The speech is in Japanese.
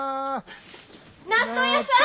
納豆屋さん！